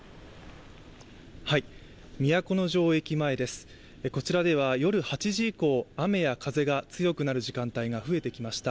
都城駅前です、こちらでは夜８時以降雨や風が強くなる時間帯が増えてきました。